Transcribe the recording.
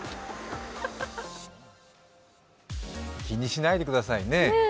気にしないでください、ねえ。